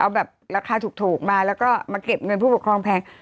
เอาแบบราคาถูกมาแล้วก็มาเก็บเงินผู้ปกครองแพง